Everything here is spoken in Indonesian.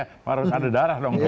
harus ada darah dong